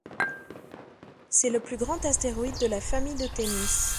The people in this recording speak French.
C'est le plus grand astéroïde de la famille de Thémis.